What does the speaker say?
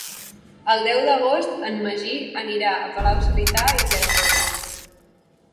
El deu d'agost en Magí anirà a Palau-solità i Plegamans.